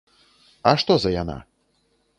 А што за яна?